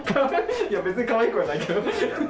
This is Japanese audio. いや別にかわいくはないけど。